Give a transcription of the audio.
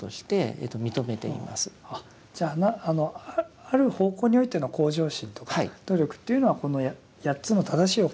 じゃあある方向においての向上心とか努力っていうのはこの八つの正しい行いの中に含まれている。